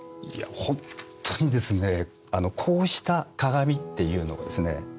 ほんっとにですねこうした鏡っていうのはですね